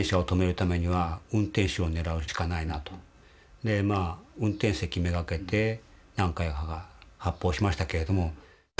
で運転席目がけて何回か発砲しましたけれども。